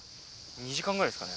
２時間ぐらいですかね？